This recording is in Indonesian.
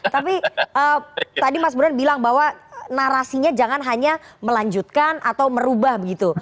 tapi tadi mas burhan bilang bahwa narasinya jangan hanya melanjutkan atau merubah begitu